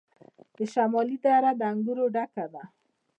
د شمالی دره د انګورو ډکه ده.